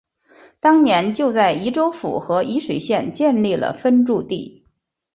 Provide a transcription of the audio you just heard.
当年就在沂州府和沂水县建立了分驻地。